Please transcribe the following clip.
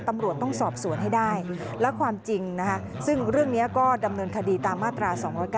ตำรวจต้องสอบสวนให้ได้และความจริงซึ่งเรื่องนี้ก็ดำเนินคดีตามมาตรา๒๙